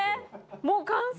もう完成？